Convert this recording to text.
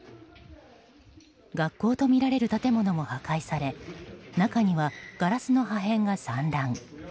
学校とみられる建物も破壊され中にはガラスの破片が散乱。